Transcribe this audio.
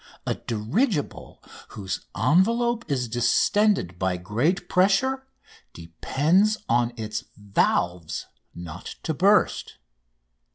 A dirigible whose envelope is distended by great pressure depends on its valves not to burst.